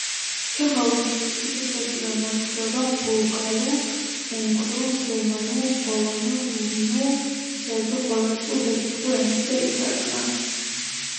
ჩეხოვის სიცოცხლეშივე მოთხრობა ბულგარულ, უნგრულ, გერმანულ, პოლონურ, რუმინულ, სერბო-ხორვატულ და ჩეხურ ენებზე ითარგმნა.